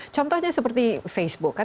contohnya seperti facebook